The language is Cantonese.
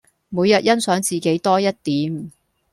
每日欣賞自己多一點